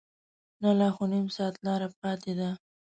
نه لا خو نیم ساعت لاره پاتې ده.